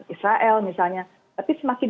israel misalnya tapi semakin